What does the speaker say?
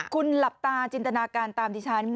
คุณหลับตาจินตนาการตามดิฉัน